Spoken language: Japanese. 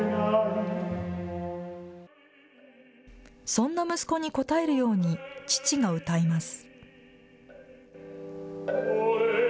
そんな息子に応えるように父が歌います。